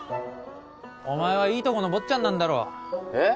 お前はいいとこの坊っちゃんなんだろえッ？